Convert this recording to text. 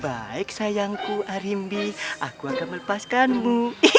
baik sayangku arimbi aku akan melepaskanmu